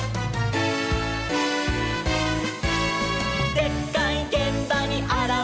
「でっかいげんばにあらわる！」